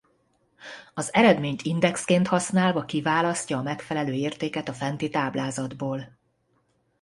Az eredményt indexként használva kiválasztja a megfelelő értéket a fenti táblázatból.